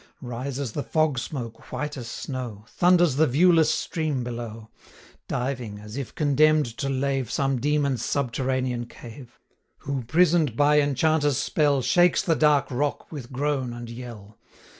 Rises the fog smoke white as snow, Thunders the viewless stream below, Diving, as if condemn'd to lave 250 Some demon's subterranean cave, Who, prison'd by enchanter's spell, Shakes the dark rock with groan and yell.